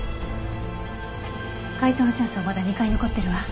解答のチャンスはまだ２回残ってるわ。